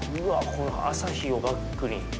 この朝日をバックに。